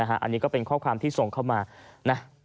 อันนี้ก็เป็นข้อความที่ส่งเข้ามานะ